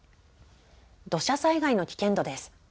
土砂災害の危険度です。